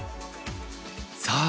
さあ